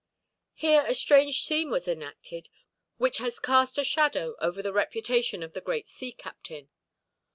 Here a strange scene was enacted, which has cast a shadow over the reputation of the great sea captain.